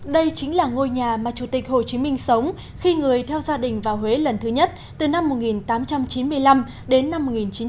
đây chính là ngôi nhà mà chủ tịch hồ chí minh sống khi người theo gia đình vào huế lần thứ nhất từ năm một nghìn tám trăm chín mươi năm đến năm một nghìn chín trăm bảy mươi